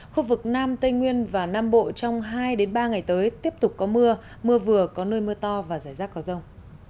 khu vực nam tây nguyên và nam bộ trong hai ba ngày tới tiếp tục có mưa mưa vừa có nơi mưa to và rải rác có rông